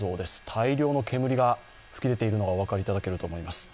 大量の煙が噴き出ているのがお分かりいただけると思います。